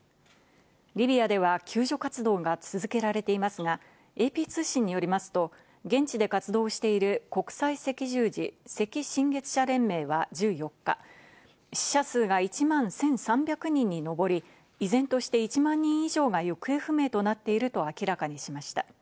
リビアでは救助活動が続けられていますが、ＡＰ通信によりますと、現地で活動している国際赤十字・赤新月社連盟は１４日、死者数が１万１３００人にのぼり、依然として１万人以上が行方不明となっていると明らかにしました。